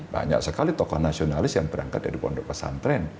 banyak sekali tokoh nasionalis yang berangkat dari pondok pesantren